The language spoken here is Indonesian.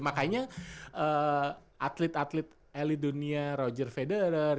makanya atlet atlet eli dunia roger vespa dan saya